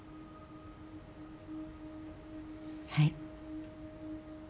はい。